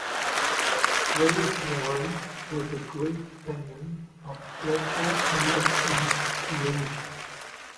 Strayhorn was a great fan of Fletcher Henderson's arrangements.